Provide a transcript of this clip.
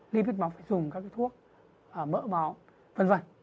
lipid máu phải dùng các thuốc mỡ máu v v